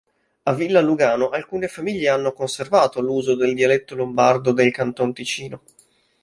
A Villa Lugano alcune famiglie hanno conservato l'uso del dialetto lombardo del Canton Ticino.